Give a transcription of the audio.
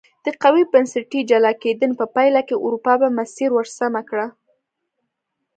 د قوي بنسټي جلا کېدنې په پایله کې اروپا په مسیر ور سمه کړه.